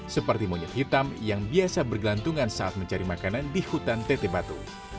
seperti monyet hitam yang biasa bergelantungan saat mencari makanan di hutan teteh batu